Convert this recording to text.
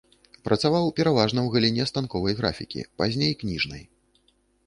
Працаваў пераважна ў галіне станковай графікі, пазней кніжнай.